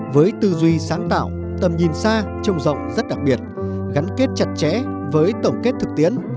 với tư duy sáng tạo tầm nhìn xa trông rộng rất đặc biệt gắn kết chặt chẽ với tổng kết thực tiễn